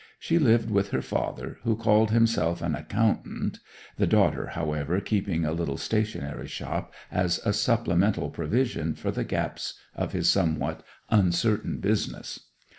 She lived with her father, who called himself an accountant, the daughter, however, keeping a little stationery shop as a supplemental provision for the gaps of his somewhat uncertain business.